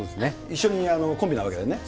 一緒にコンビなわけだよね。